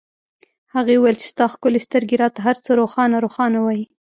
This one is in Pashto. هغې وویل چې ستا ښکلې سترګې راته هرڅه روښانه روښانه وایي